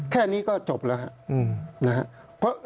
แค่นี้ก็จบแล้วครับ